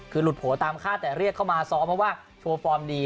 คือหลุดโผล่ตามคาดแต่เรียกเข้ามาซ้อมเพราะว่าโชว์ฟอร์มดี